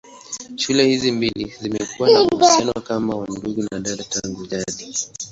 Shule hizi mbili zimekuwa na uhusiano kama wa ndugu na dada tangu jadi.